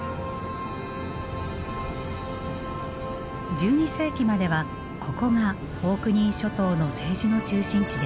１２世紀まではここがオークニー諸島の政治の中心地でした。